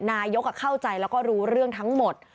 นายกเข้าใจแล้วก็รู้เรื่องทั้งหมด